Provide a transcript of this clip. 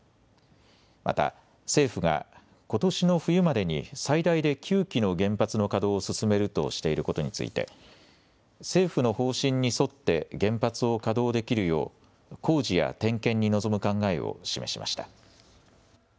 また政府がことしの冬までに最大で９基の原発の稼働を進めるとしていることについて政府の方針に沿って原発を稼働できるよう工事や点検に臨む考えを示しました。